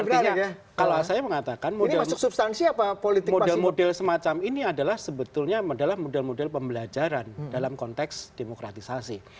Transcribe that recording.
artinya kalau saya mengatakan model model semacam ini adalah sebetulnya adalah model model pembelajaran dalam konteks demokratisasi